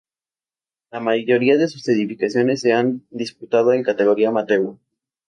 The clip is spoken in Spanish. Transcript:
La mayoría de sus ediciones se han disputado en categoría amateur.